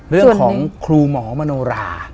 เรื่องของครูหมอมโนรา